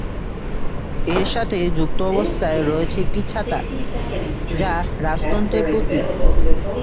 এর সাথে যুক্ত অবস্থায় রয়েছে একটি ছাতা, যা রাজতন্ত্রের প্রতীক।